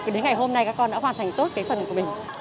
đến ngày hôm nay các con đã hoàn thành tốt cái phần của mình